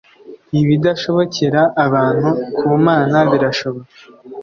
«ibidashobokera abantu, ku Mana birashoboka.'»